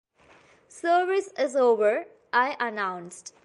‘Service is over,’ I announced.